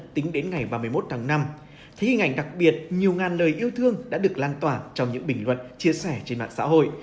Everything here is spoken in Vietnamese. thế hình ảnh đặc biệt nhiều ngàn lời yêu thương đã được lan tỏa trong những bình luận chia sẻ trên mạng xã hội